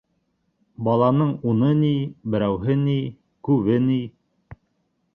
Баланың уны ни. берәүһе ни, күбе ни...